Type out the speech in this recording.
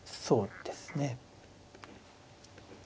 そうですね。